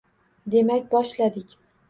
Demak, boshladik.